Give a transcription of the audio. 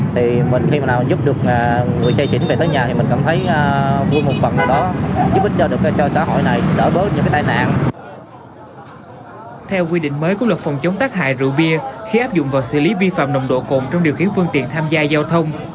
theo quy định mới của luật phòng chống tác hại rượu bia khi áp dụng vào xử lý vi phạm nồng độ cồn trong điều khiển phương tiện tham gia giao thông